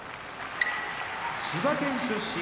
千葉県出身